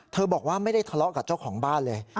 บอกว่าไม่ได้ทะเลาะกับเจ้าของบ้านเลย